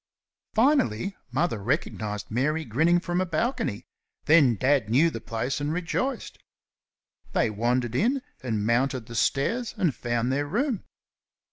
Finally Mother recognised Mary grinning from a balcony, then Dad knew the place and rejoiced. They wandered in and mounted the stairs and found their room.